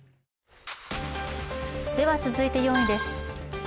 続いて４位です。